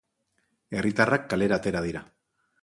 Herritarrak kalera atera dira.